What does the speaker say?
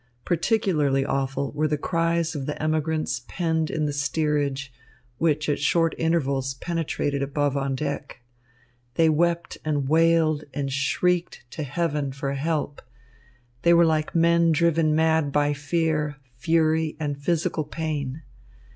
Particularly awful were the cries of the emigrants penned in the steerage, which at short intervals penetrated above on deck. They wept and wailed and shrieked to heaven for help. They were like men driven mad by fear, fury and physical pain.